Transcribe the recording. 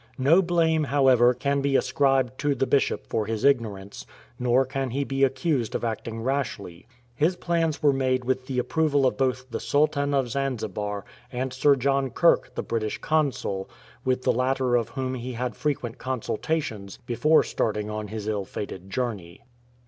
No blame, however, can be ascribed to the Bishop for his ignorance, nor can he be accused of acting rashly. His plans were made with the approval of both the Sultan of Zanzibar and Sir John Kirk, the British Consul, with the latter of whom he had frequent consultations before starting on his ill fated journey.